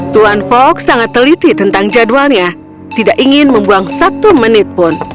tuan fok sangat teliti tentang jadwalnya tidak ingin membuang satu menit pun